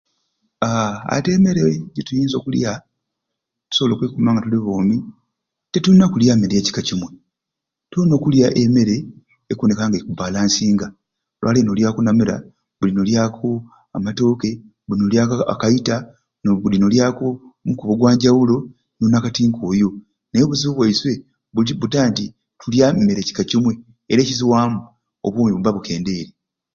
Aaa ati emmere gyetuyinza okulya tusobole okwekuuma nga tuli boomi tetulina kulya mmere ya kika kimwe tulina okulya emmere ekuboneka nga eku bbalansinga olwaleero n'olyaku o namira budi n'olyaku amatooke budi n'olyaku aakaita budi n'olyaku omukubi ogwanjawulo n'onakati nk'oyo naye obuzibu bwaiswe buti buta nti tulya emmere ekika kimwe era ekizwamu obwomi bubba bukendeeri.